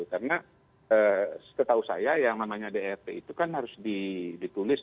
karena setahu saya yang namanya dart itu kan harus ditulis